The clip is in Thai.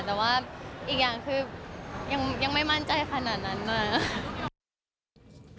แต่ว่าอีกอย่างคือยังไม่มั่นใจขนาดนั้นนะ